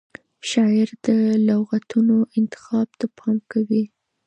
شاعر د لغتونو انتخاب ته پام کوي.